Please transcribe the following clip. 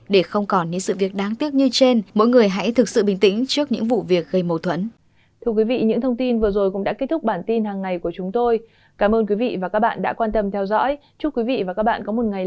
để không còn những sự việc đáng tiếc như trên mỗi người hãy thực sự bình tĩnh trước những vụ việc gây mâu thuẫn